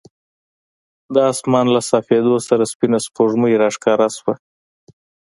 د اسمان له صافېدو سره سپینه سپوږمۍ راښکاره شوه.